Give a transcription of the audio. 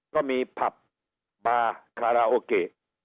ก็มีผับบาร์คาราโอเกะ